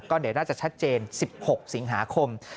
เดี๋ยวน่าจะชัดเจน๑๖สิงหาคม